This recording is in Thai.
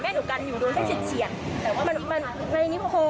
แม่หนูกันอยู่โดนแค่เฉียด